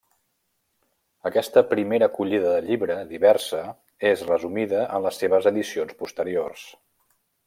Aquesta primera acollida del llibre, diversa, és resumida en les seves edicions posteriors.